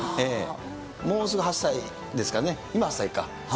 もうすぐ８歳ですかね、今、８歳か。